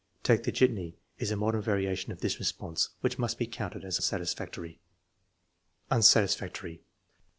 "Take a jitney" is a modern variation of this response which must be counted as satisfactory. Unsatisfactory.